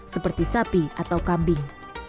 seperti sapi atau kambing